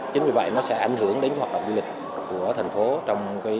chính vì vậy nó sẽ ảnh hưởng đến hoạt động du lịch của thành phố